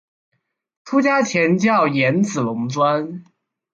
出家前叫岩仔龙庄。